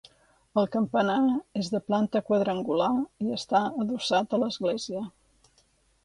El campanar és de planta quadrangular i està adossat a l’església.